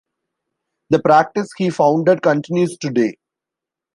The practice he founded continues today.